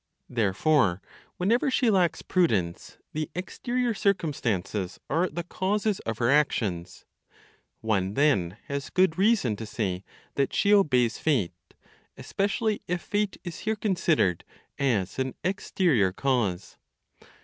Therefore, whenever she lacks prudence, the exterior circumstances are the causes of her actions; one then has good reason to say that she obeys Fate, especially if Fate is here considered as an exterior cause.